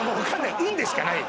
運でしかないよ。